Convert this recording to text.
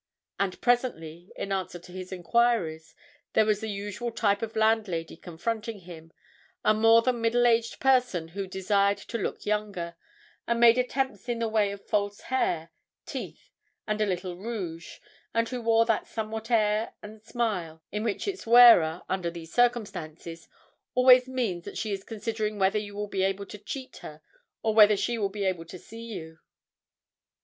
And presently, in answer to his enquiries, there was the usual type of landlady confronting him, a more than middle aged person who desired to look younger, and made attempts in the way of false hair, teeth, and a little rouge, and who wore that somewhat air and smile which in its wearer—under these circumstances—always means that she is considering whether you will be able to cheat her or whether she will be able to see you.